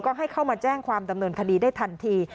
ก็ให้เข้ามาแจ้งความดำเนินคดีได้ทันที